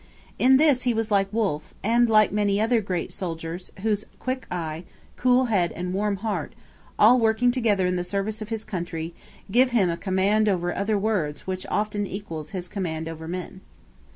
In this he was like Wolfe, and like many another great soldier whose quick eye, cool head and warm heart, all working together in the service of his country, give him a command over words which often equals his command over men.